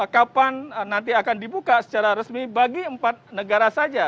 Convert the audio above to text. kapan nanti akan dibuka secara resmi bagi empat negara saja